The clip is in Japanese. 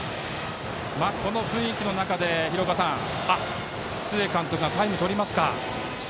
この雰囲気の中で須江監督がタイムをとりますか。